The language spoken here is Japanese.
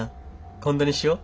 今度にしよう。